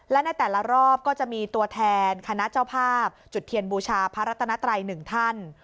และในแต่ละรอบก็จะมีตัวแทนคณะเจ้าภาพจุดเทียนบูชาพระรัตนัตรัยหนึ่งท่าน